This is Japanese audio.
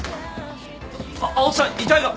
あ青砥さん遺体が！